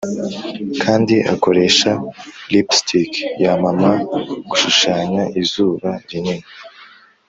kandi akoresha lipstick ya mama gushushanya izuba rinini